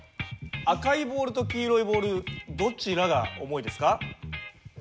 赤いボールと黄色いボールどちらが重いですか？